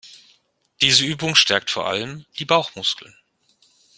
Diese Übung stärkt vor allem die Bauchmuskeln.